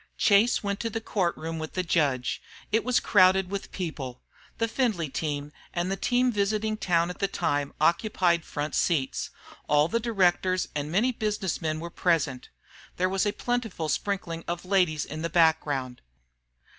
Chase went to the court room with the judge. It was crowded with people. The Findlay team and the team visiting town at that time occupied front seats. All the directors and many business men were present. There was a plentiful sprinkling of ladies in the background.